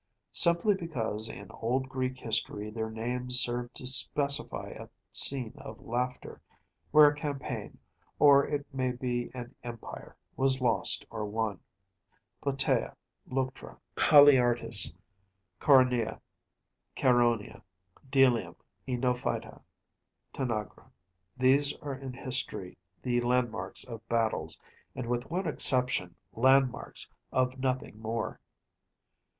Simply because in old Greek history their names served to specify a scene of slaughter, where a campaign, or it may be an empire, was lost or won, Platæa, Leuctra, Haliartus, Coronea, Chæronea, Delium, Ňínophyta, Tanagra‚ÄĒthese are in history the landmarks of battles, and, with one exception, landmarks of nothing more.